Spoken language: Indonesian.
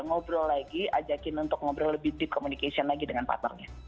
ngobrol lagi ajakin untuk ngobrol lebih deep communication lagi dengan partnernya